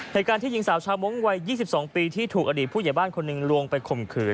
เหตุการณ์ที่หญิงสาวชาวมงค์วัย๒๒ปีที่ถูกอดีตผู้ใหญ่บ้านคนหนึ่งลวงไปข่มขืน